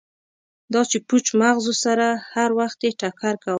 دا چې پوچ مغزو سره هروختې ټکر کومه